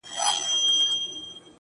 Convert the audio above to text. د دې لپاره چي ډېوه به یې راځي کلي ته.